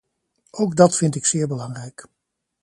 Ook dat vind ik zeer belangrijk.